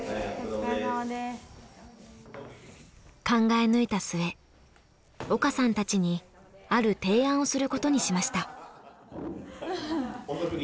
考え抜いた末岡さんたちにある提案をすることにしました。